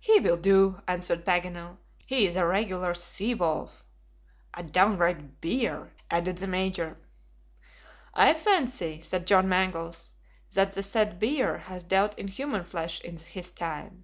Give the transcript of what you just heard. "He will do," answered Paganel. "He is a regular sea wolf." "A downright bear!" added the Major. "I fancy," said John Mangles, "that the said bear has dealt in human flesh in his time."